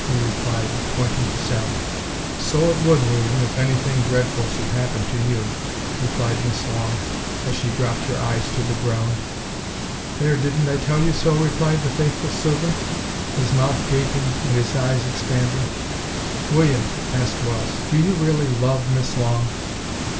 he replied, pointing to Sally. "So it would, William, if any thing dreadful should happen to you!" replied Miss Long, as she dropped her eyes to the ground. "There, didn't I tell you so?" replied the faithful servant, his mouth gaping and his eyes expanding. "William," asked Wells, "do you really love Miss Long?"